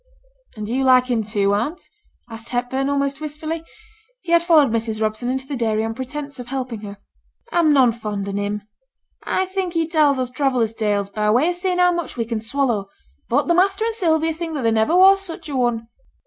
'And do you like him, too, aunt?' asked Hepburn, almost wistfully; he had followed Mrs. Robson into the dairy on pretence of helping her. 'I'm none fond on him; I think he tells us traveller's tales, by way o' seeing how much we can swallow. But the master and Sylvia think that there never was such a one.'